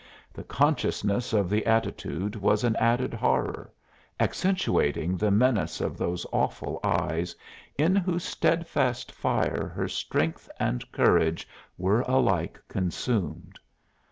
The consciousness of the attitude was an added horror, accentuating the menace of those awful eyes, in whose steadfast fire her strength and courage were alike consumed.